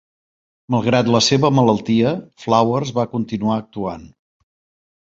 Malgrat la seva malaltia, Flowers va continuar actuant.